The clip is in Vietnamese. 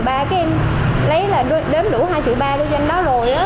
cái em lấy là đếm đủ hai triệu ba đưa cho anh đó rồi á